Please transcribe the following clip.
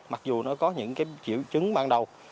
mặc dù nó có những triệu chứng ban đầu